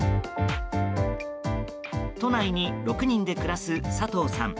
都内に６人で暮らす佐藤さん。